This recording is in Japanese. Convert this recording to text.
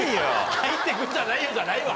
「入って来るんじゃないよ」じゃないわ！